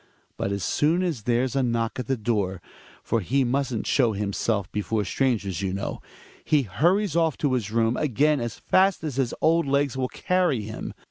But as soon as there's a knock at the door — for he mustn't show himself before strangers you know — he hurries off to his room again as fast as his old legs will carrj^ him.